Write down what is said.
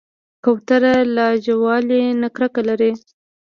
کوتره له جلاوالي نه کرکه لري.